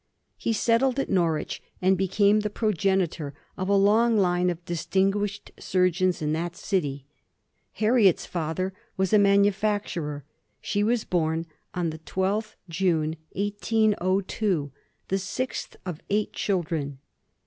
He settled at Norwich, and became the progenitor of a long line of distinguished surgeons in that city. Harriet's father was a manufacturer; she was born on the 12th June 1802, the sixth of eight children.